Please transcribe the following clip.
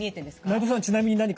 内藤さんちなみに何か。